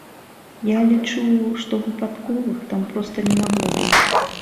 Я лічу, што выпадковых там проста не магло быць.